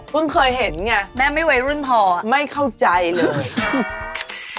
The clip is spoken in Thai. เคยเห็นไงแม่ไม่วัยรุ่นพอไม่เข้าใจเลย